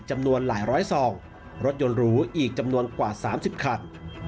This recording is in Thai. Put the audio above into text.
จำนวนหลายร้อยซองรถยนต์หรูอีกจำนวนกว่า๓๐คัน